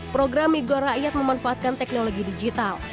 program migo rakyat memanfaatkan teknologi digital